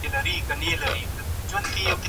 که ښوونه او روزنه عامه شي نو بدبختي به ختمه شي.